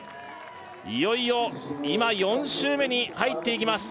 いよいよ今４周目に入っていきます